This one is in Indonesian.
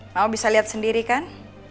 mama bisa lihat sendiri kan